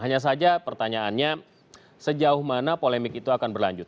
hanya saja pertanyaannya sejauh mana polemik itu akan berlanjut